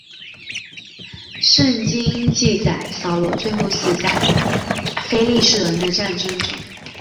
圣经记载扫罗最后死在和非利士人的战争中。